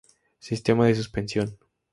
Sistema de suspensión